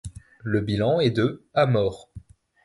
Le bilan est de à morts.